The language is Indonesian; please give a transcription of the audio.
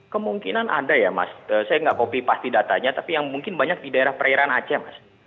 kemungkinan ada ya mas saya nggak copy pasti datanya tapi yang mungkin banyak di daerah perairan aceh mas